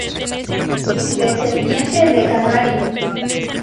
Descendiente de canarios.